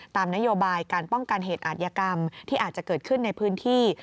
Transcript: ตามนโยบายการป้องกันเหตุอาธิกรรมที่อาจจะเกิดขึ้นในพื้นที่